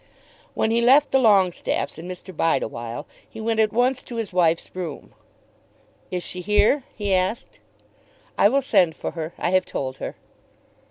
When he left the Longestaffes and Mr. Bideawhile he went at once to his wife's room. "Is she here?" he asked. "I will send for her. I have told her."